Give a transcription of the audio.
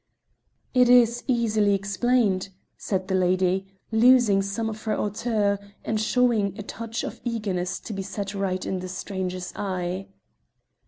"It is easily explained," said the lady, losing some of her hauteur, and showing a touch of eagerness to be set right in the stranger's eye.